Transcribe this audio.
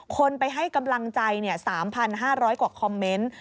คนไปให้กำลังใจ๓๕๐๐กว่าคอมเมนต์